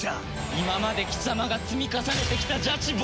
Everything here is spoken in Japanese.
今まで貴様が積み重ねてきた邪智暴虐。